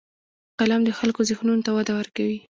قلم د خلکو ذهنونو ته وده ورکوي